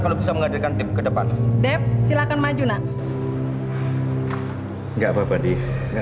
kalau bisa menghadirkan tim kedepan dep silakan maju nak enggak papa di enggak